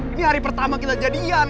ini hari pertama kita jadian